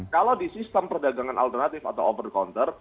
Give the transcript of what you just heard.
kalau di sistem perdagangan alternatif atau over counter